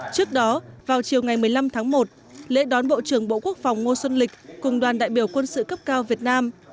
trước đó vào chiều ngày một mươi năm tháng một lễ đón bộ trưởng bộ quốc phòng ngô xuân lịch cùng đoàn đại biểu quân sự cấp cao việt nam